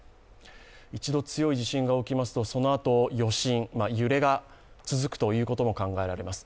一度強い地震が起きますとそのあと余震、揺れが続くということが考えられます。